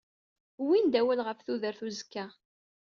Wwin-d awal ɣef tudert uzekka.